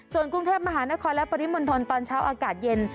ส่วนกรุงเทพมหานครและปริมณฑลตอนเช้าอากาศเย็น